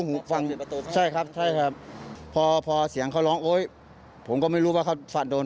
หูฟังอยู่ใช่ครับใช่ครับพอพอเสียงเขาร้องโอ๊ยผมก็ไม่รู้ว่าเขาฝันโดน